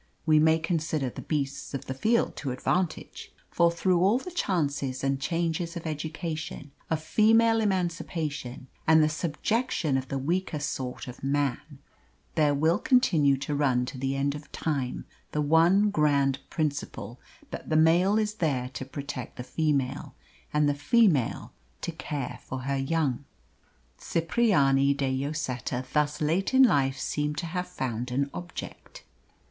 We may consider the beasts of the field to advantage, for through all the chances and changes of education, of female emancipation, and the subjection of the weaker sort of man, there will continue to run to the end of time the one grand principle that the male is there to protect the female and the female to care for her young. Cipriani de Lloseta thus late in life seemed to have found an object.